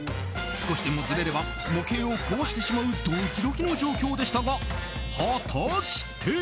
少しでもずれれば模型を壊してしまうドキドキの状況でしたが果たして。